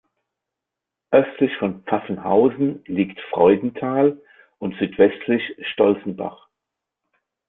Östlich von Pfaffenhausen liegt Freudenthal und südwestlich Stolzenbach.